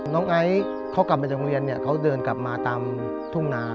น้องไอจี๊เขากลับมาจังเกียรติ์เขาเดินไปมาตามทรุงนา